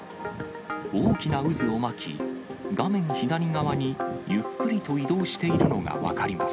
大きな渦を巻き、画面左側にゆっくりと移動しているのが分かります。